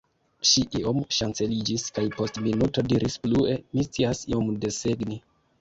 Ŝi iom ŝanceliĝis kaj post minuto diris plue: -- Mi scias iom desegni.